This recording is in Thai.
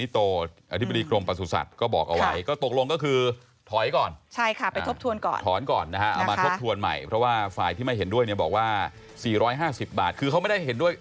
ต้องเสียอะไรอีกไหม